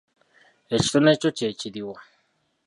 Ekitone kyo kye kiruwa?